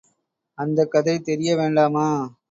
அந்தக் கதை தெரிய வேண்டாமா!